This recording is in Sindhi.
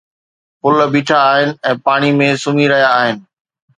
پل بيٺا آهن ۽ پاڻيءَ ۾ سمهي رهيا آهن